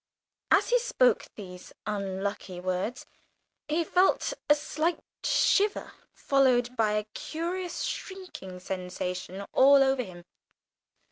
As he spoke these unlucky words, he felt a slight shiver, followed by a curious shrinking sensation all over him.